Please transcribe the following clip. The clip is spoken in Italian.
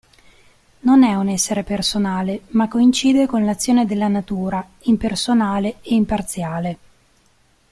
Non è un essere personale, ma coincide con l'azione della natura, impersonale e imparziale.